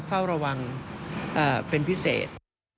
เฝ้าระวังเป็นพิเศษ